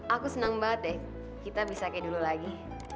aku senang banget deh kita bisa kayak dulu lagi